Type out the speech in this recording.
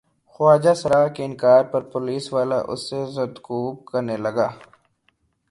خواجہ سرا کے انکار پہ پولیس والا اسے زدوکوب کرنے لگا۔